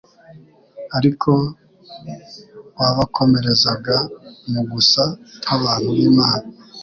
Ariko wabakomerezaga mu gusa nk'abantu b'Imana,